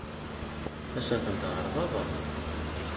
Ad sen-ten-tɛeṛḍeḍ?